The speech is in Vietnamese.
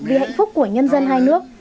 vì hạnh phúc của nhân dân hai nước